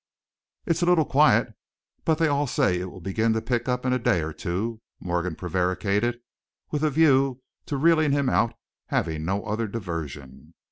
"It is a little quiet, but they all say it will begin to pick up in a day or two," Morgan prevaricated, with a view to reeling him out, having no other diversion.